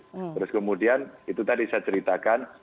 terus kemudian itu tadi saya ceritakan